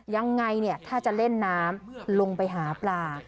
ยังไงเนี่ยถ้าจะเล่นน้ำลงไปหาปลา